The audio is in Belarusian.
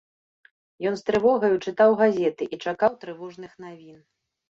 Ён з трывогаю чытаў газеты і чакаў трывожных навін.